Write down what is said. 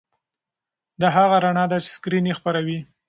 دا هغه رڼا ده چې سکرین یې خپروي.